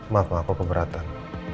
maaf ma aku keberatan